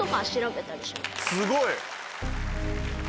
すごい！